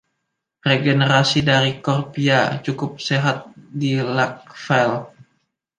Regenerasi dari Corpyha cukup sehat di Lakefield.